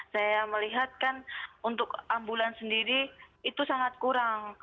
saya melihatkan untuk ambulans sendiri itu sangat kurang